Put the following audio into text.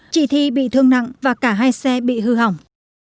chị thi bị thương nặng và cả hai xe bị hư hỏng